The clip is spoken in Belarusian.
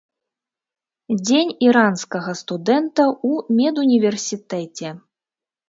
Дзень іранскага студэнта ў медуніверсітэце.